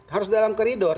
harus dalam koridor